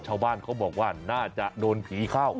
ชาวบ้านเขาบอกว่าน่าจะโดนผีเข้า